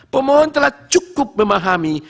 pemohon telah cukup memahami